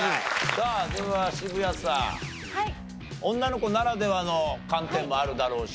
さあでは渋谷さん女の子ならではの観点もあるだろうし。